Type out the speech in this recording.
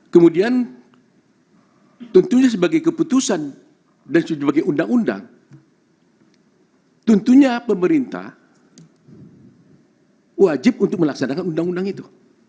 kemudian tentunya sebagai keputusan dan sebagai undang undang tentunya pemerintah wajib untuk melaksanakan undang undang itu